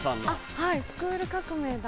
はい『スクール革命！』だ。